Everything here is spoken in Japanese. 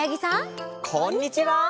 こんにちは！